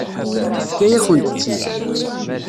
Tefka-yakent-tt-id.